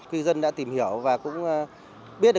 quý dân đã tìm hiểu và cũng biết là